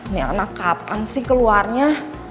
ini anak kapan sih keluarnya